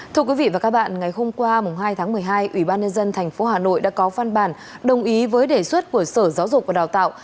thưa quý vị và các bạn ngày hôm qua hai tháng một mươi hai ủy ban nhân dân tp hà nội đã có văn bản đồng ý với đề xuất của sở giáo dục và đào tạo